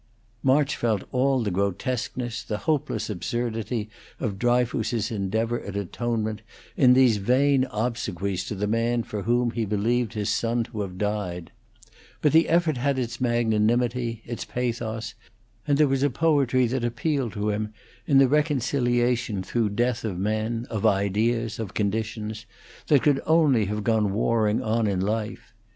March felt all the grotesqueness, the hopeless absurdity of Dryfoos's endeavor at atonement in these vain obsequies to the man for whom he believed his son to have died; but the effort had its magnanimity, its pathos, and there was a poetry that appealed to him in the reconciliation through death of men, of ideas, of conditions, that could only have gone warring on in life.